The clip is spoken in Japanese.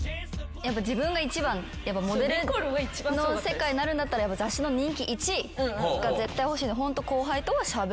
自分が一番モデルの世界になるんだったら雑誌の人気１位が絶対欲しいんでホント。